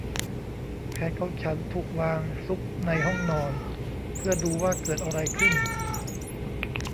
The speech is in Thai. แผนของฉันถูกวางซุกในห้องนอน เพื่อดูว่าเกิดอะไรขึ้น